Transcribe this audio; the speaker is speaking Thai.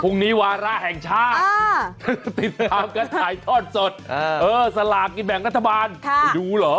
พรุ่งนี้วาร่าแห่งชาติติดตามกันถ่ายทอดสดสลากินแบ่งรัฐบาลไปดูเหรอ